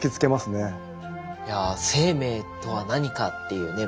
いや生命とは何かっていうね